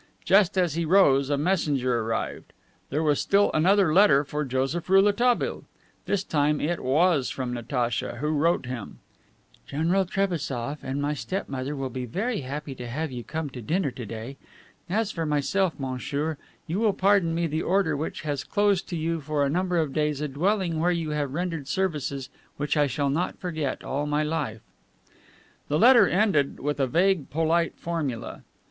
Just as he rose, a messenger arrived. There was still another letter for Joseph Rouletabille. This time it was from Natacha, who wrote him: "General Trebassof and my step mother will be very happy to have you come to dinner to day. As for myself, monsieur, you will pardon me the order which has closed to you for a number of days a dwelling where you have rendered services which I shall not forget all my life." The letter ended with a vague polite formula.